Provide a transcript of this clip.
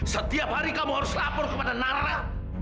setiap hari kamu harus lapor kepada nara